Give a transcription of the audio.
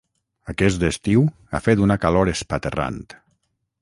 Aquest estiu ha fet una calor espaterrant.